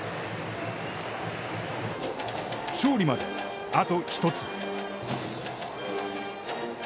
勝利まであと１つ。